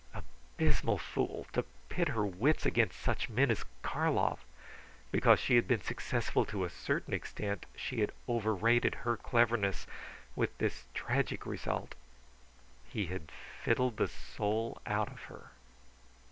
Abysmal fool, to pit her wits against such men as Karlov! Because she had been successful to a certain extent, she had overrated her cleverness, with this tragic result... He had fiddled the soul out of her.